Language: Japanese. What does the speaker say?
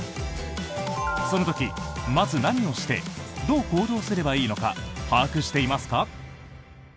その時、まず何をしてどう行動すればいいのか把握していますか？